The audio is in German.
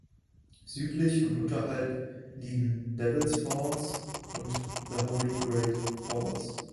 Südlich und unterhalb liegen Devil’s Falls und The Holy Grail Falls.